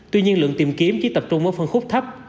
tuy nhiên lượng tìm kiếm chỉ tập trung ở phân khúc thấp